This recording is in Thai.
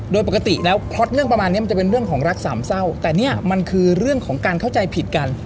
โดยปกติแล้วพล็อตเรื่องประมาณนี้มันจะเป็นเรื่องของรักสามเศร้าแต่เนี่ยมันคือเรื่องของการเข้าใจผิดกัน